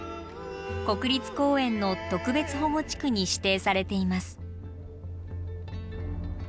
国立公園の特別保護地区に指定されています。